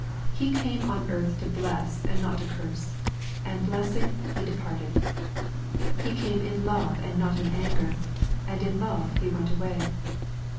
He came on earth to bless and not to curse, and blessing He departed. — He came in love and not in anger, and in love He went away.